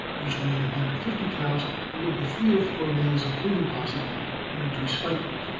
Usually, in a band of fifty cows, there would be three or four males, including, possibly, one or two spike bulls.